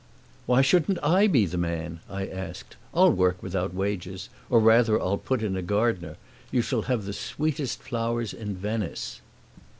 "Why shouldn't I be the man?" I asked. "I'll work without wages; or rather I'll put in a gardener. You shall have the sweetest flowers in Venice."